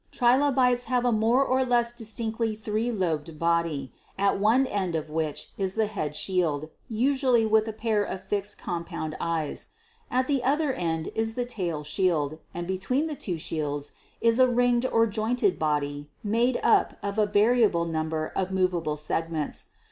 Trilobites have a more or less distinctly three lobed body, at one end of which is the head shield, usually with a pair of fixed compound eyes ; at the other end is the tail shield, and between the two shields is a ringed or jointed body made up of a variable number of movable segments.